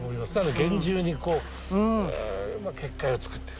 厳重にこう結界をつくってる。